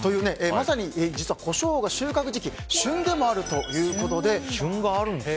まさにコショウが収穫時期旬でもあるということで。